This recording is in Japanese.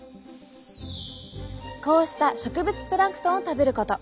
こうした植物プランクトンを食べること。